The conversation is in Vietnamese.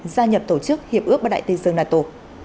gia nhập tổ chức hiệp ước bắc đại tây dương nato